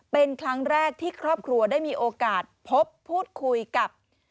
เป็นครั้งแรกที่ครอบครัวได้มีโอกาสพบพูดคุยกับ